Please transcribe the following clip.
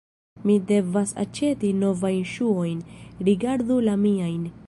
Mi devas aĉeti novajn ŝuojn; rigardu la miajn.